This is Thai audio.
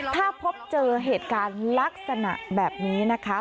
ถ้าพบเจอเหตุการณ์ลักษณะแบบนี้นะคะ